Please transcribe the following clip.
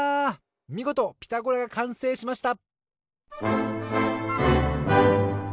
みごと「ピタゴラ」がかんせいしました